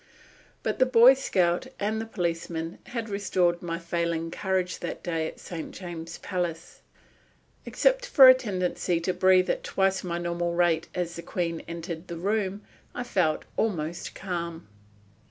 But the Boy Scout and the policeman had restored my failing courage that day at St. James's Palace. Except for a tendency to breathe at twice my normal rate as the Queen entered the room I felt almost calm.